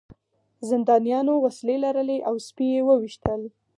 زندانیانو وسلې لرلې او سپي یې وویشتل